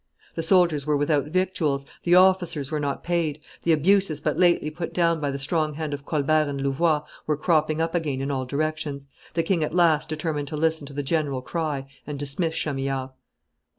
The soldiers were without victuals, the officers were not paid, the abuses but lately put down by the strong hand of Colbert and Louvois were cropping up again in all directions; the king at last determined to listen to the general cry and dismiss Chamillard.